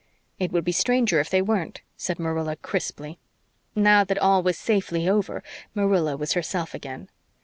"It would be stranger if they weren't," said Marilla crisply. Now that all was safely over, Marilla was herself again.